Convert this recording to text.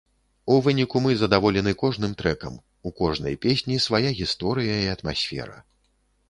У выніку мы задаволены кожным трэкам, у кожнай песні свая гісторыя і атмасфера.